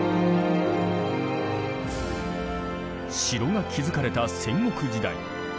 城が築かれた戦国時代。